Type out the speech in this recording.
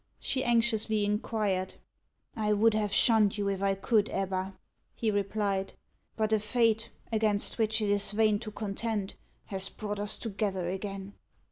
she anxiously inquired. "I would have shunned you, if I could, Ebba," he replied; "but a fate, against which it is vain to contend, has brought us together again."